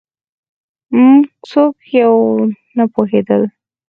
موږ څوک یو نه پوهېدل